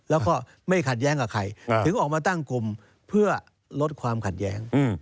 แล้วก็ไม่ขัดแย้งกับใครถึงออกมาตั้งกลุ่มเพื่อลดความขัดแย้ง